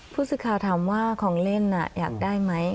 ผู้สื่อข่าวถามว่าของเล่นอยากได้ไหม